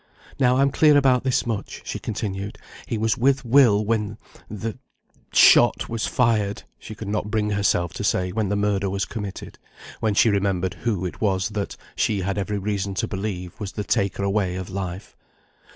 "Now I'm clear about this much," she continued, "he was with Will when the shot was fired (she could not bring herself to say, when the murder was committed, when she remembered who it was that, she had every reason to believe, was the taker away of life).